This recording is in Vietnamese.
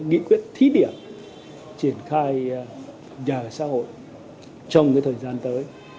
nghị quyết thí điểm triển khai nhà ở xã hội trong thời gian tới